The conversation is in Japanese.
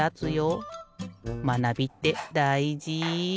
まなびってだいじ。